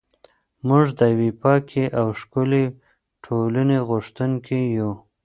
موږ د یوې پاکې او ښکلې ټولنې غوښتونکي یو.